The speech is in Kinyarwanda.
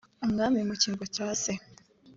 umwami mu cyimbo cya se